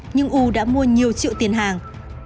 nhưng ưu đã mua nhiều triệu tiền hàng